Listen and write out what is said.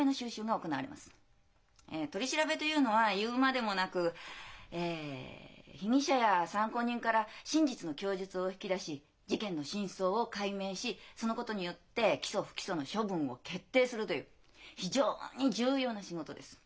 取り調べというのは言うまでもなくえ被疑者や参考人から真実の供述を引き出し事件の真相を解明しそのことによって起訴不起訴の処分を決定するという非常に重要な仕事です。